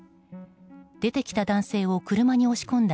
出てきた男性を車に押し込んだ